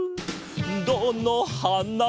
「どのはなみても」